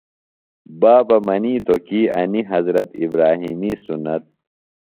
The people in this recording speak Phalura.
بابہ منِیتوۡ کی انیۡ حضرت ابراھیمی سُنت۔